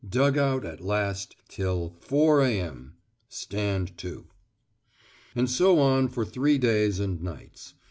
Dug out at last till 4 a.m. Stand to. And so on for three days and nights.